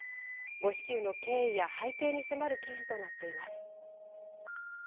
誤支給の経緯や背景に迫る記事となっています。